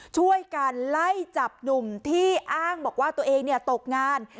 ช่วยกันไล่จับหนุ่มที่อ้างบอกว่าตัวเองตกงาน